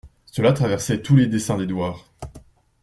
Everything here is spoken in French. Cela traversait tous les desseins d'Édouard.